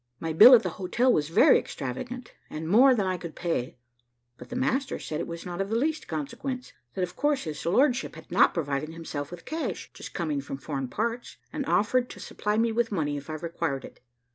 My bill at the hotel was very extravagant, and more than I could pay: but the master said it was not of the least consequence: that of course his lordship had not provided himself with cash, just coming from foreign parts, and offered to supply me with money if I required it.